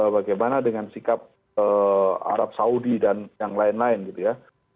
bagaimana dengan sikap arab saudi dan yang lain lain gitu ya